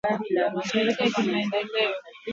mashirika ya kimaendeleo